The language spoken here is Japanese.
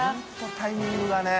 榲タイミングだね。